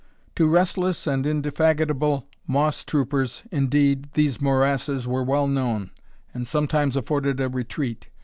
To restless and indefatigable moss troopers, indeed, these morasses were well known, and sometimes afforded a retreat.